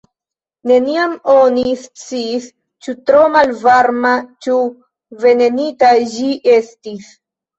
Neniam oni sciis, ĉu tro malvarma, ĉu venenita ĝi estis.